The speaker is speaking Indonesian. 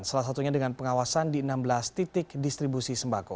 salah satunya dengan pengawasan di enam belas titik distribusi sembako